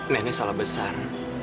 nenek salah besar